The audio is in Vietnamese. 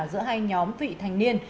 giữa hai nhóm vị thành niên